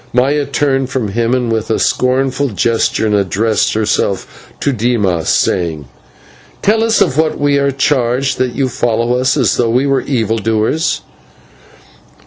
Maya turned from him with a scornful gesture, and addressed herself to Dimas, saying: "Tell us of what we are charged that you follow us as though we were evil doers."